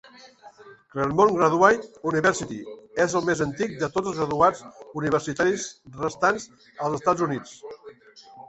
Claremont Graduate University és el més antic de tots els graduats universitaris restants als Estats Units.